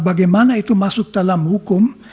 bagaimana itu masuk dalam hukum